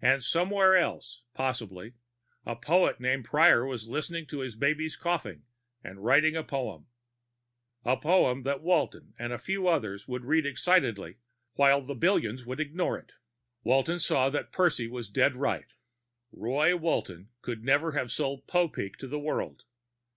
And somewhere else, possibly, a poet named Prior was listening to his baby's coughing and trying to write a poem a poem that Walton and a few others would read excitedly, while the billions would ignore it. Walton saw that Percy was dead right: Roy Walton could never have sold Popeek to the world.